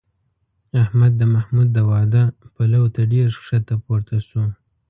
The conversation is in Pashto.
احمد د محمود د واده پلو ته ډېر ښکته پورته شو.